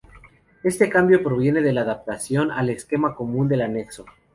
Este cambio proviene de la adaptación al esquema común del Anexo.